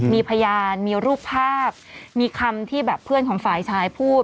มีพยานมีรูปภาพมีคำที่แบบเพื่อนของฝ่ายชายพูด